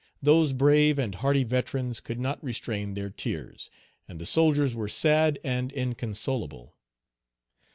Those brave and hardy veterans could not restrain their tears, and the soldiers were sad and inconsolable.